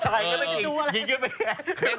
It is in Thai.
ใช่ยังไม่ทราบ